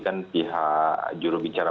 kan pihak jurubicara